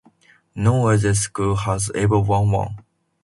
No other school has ever won one.